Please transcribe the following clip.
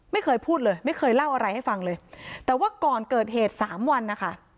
ไม่เคยพูดเลยไม่เคยเล่าอะไรให้ฟังเลยแต่ว่าก่อนเกิดเหตุสามวันนะคะ